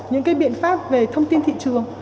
những cái biện pháp về thông tin thị trường